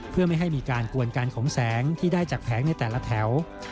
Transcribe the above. เพื่อไม่ให้มีการกวนการขมแสงที่ได้จากแผงในแต่ละแถว